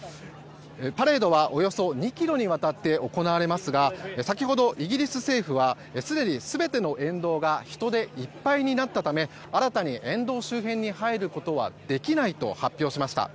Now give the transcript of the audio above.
パレードはおよそ２ｋｍにわたって行われますが先ほどイギリス政府はすでに全ての沿道が人でいっぱいになったため新たに沿道周辺に入ることはできないと発表しました。